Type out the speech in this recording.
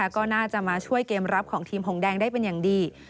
ก็น่าจะมาช่วยเกมรับของทีมหงแดงได้เป็นอย่างดี